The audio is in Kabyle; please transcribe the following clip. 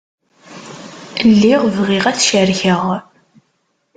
Lliɣ bɣiɣ ad t-cerkeɣ.